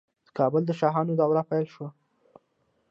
د کابل شاهانو دوره پیل شوه